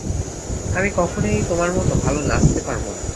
আমি কখনোই তোমার মতো ভালো নাচতে পারব না।